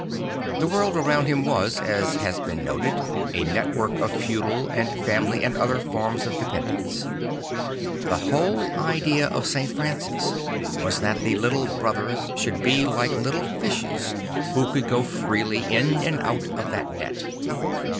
The world around him was, as has been noted, a network of feudal and family and other forms of dependence. The whole idea of St. Francis was that the Little Brothers should be like little fishes who could go freely in and out of that net.